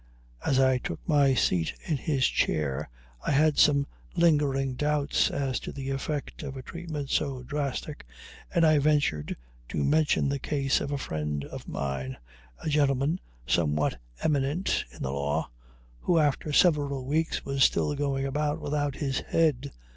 As I took my seat in his chair I had some lingering doubts as to the effect of a treatment so drastic, and I ventured to mention the case of a friend of mine, a gentleman somewhat eminent in the law, who after several weeks was still going about without his head.